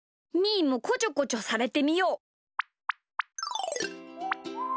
ーもこちょこちょされてみよう。